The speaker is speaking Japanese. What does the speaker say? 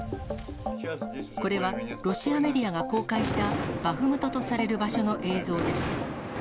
これはロシアメディアが公開した、バフムトとされる場所の映像です。